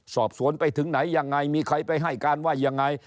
สอบสวนไปถึงไหนยังไงมีใครไปให้การว่ายังไง